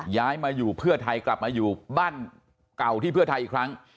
ย้ายมาอยู่เพื่อไทยกลับมาอยู่บ้านเก่าที่เพื่อไทยอีกครั้ง